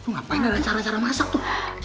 ngapain adalah cara cara masak tuh